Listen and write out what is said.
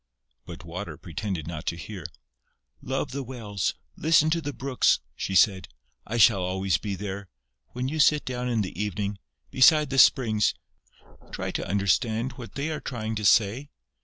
But Water pretended not to hear: "Love the wells, listen to the brooks," she said. "I shall always be there. When you sit down in the evening, beside the springs, try to understand what they are trying to say...."